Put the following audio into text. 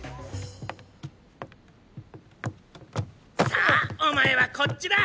さあお前はこっちだ。